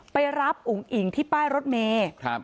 ไปรับอุ๋งอิ่งที่ป้ายรถเมย์